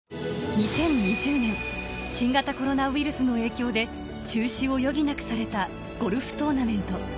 ２０２０年、新型コロナウイルスの影響で中止を余儀なくされたゴルフトーナメント。